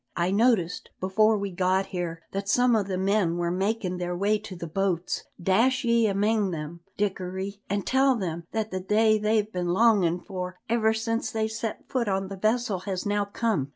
I noticed, before we got here, that some o' the men were makin' their way to the boats; dash ye amang them, Dickory, an' tell them that the day they've been longin' for, ever since they set foot on the vessel, has now come.